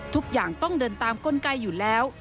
ทุกอย่างต้องเดินตามกลไกอยู่แล้ว